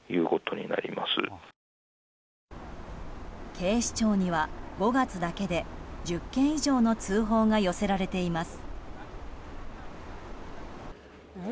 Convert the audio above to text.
警視庁には５月だけで１０件以上の通報が寄せられています。